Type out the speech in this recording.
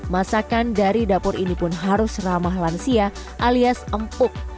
masakan dari dapur ini pun harus ramah lansia alias empuk